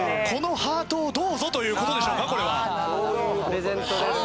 このハートをどうぞという事でしょうか？